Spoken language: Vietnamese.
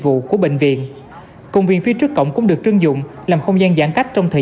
vụ của bệnh viện công viên phía trước cổng cũng được trưng dụng làm không gian giãn cách trong thời